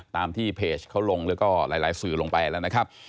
ตามที่เพจเขาลงแล้วก็หลายสื่อลงไปแล้วนะครับ